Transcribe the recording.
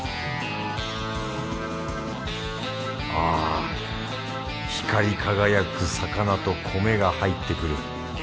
あ光り輝く魚と米が入ってくる。